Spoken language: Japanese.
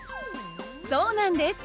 そうなんです。